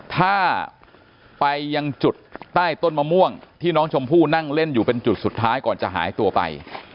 ถ้าไปยังจุดใต้ต้นมะม่วงที่น้องชมพู่นั่งเล่นอยู่เป็นจุดสุดท้ายก่อนจะหายตัวไป